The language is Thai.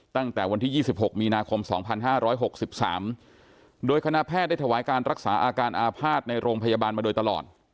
ตั้งแต่วันที่๒๖มีนาคม๒๕๖๓โดยคณะแพทย์ได้ถวายการรักษาอาการอาภาษณ์ในโรงพยาบาลมาโดยตลอด